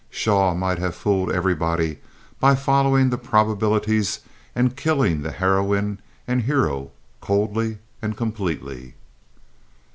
Shaw might have fooled everybody by following the probabilities and killing the heroine and hero coldly and completely.